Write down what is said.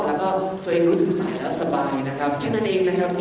แล้วเอาออกมาบ้างเลยนะครับ